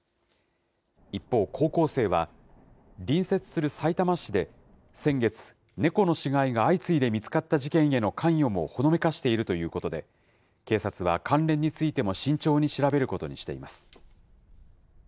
一方、高校生は、隣接するさいたま市で、先月、猫の死骸が相次いで見つかった事件への関与もほのめかしているということで、警察は関連についても慎重に調べることにしています。